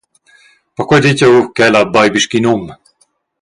Perquei ditg jeu che ella beibi sc’in um.